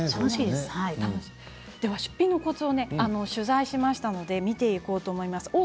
出品のコツを取材したので見ていこうと思います。